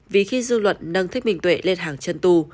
vì khi dư luận nâng thích minh tuệ lên hàng chân tu